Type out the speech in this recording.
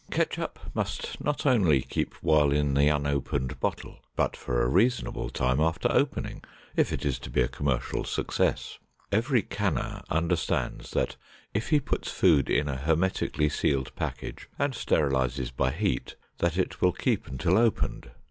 Ketchup must not only keep while in the unopened bottle, but for a reasonable time after opening, if it is to be a commercial success. Every canner understands that if he puts food in a hermetically sealed package and sterilizes by heat, that it will keep until opened.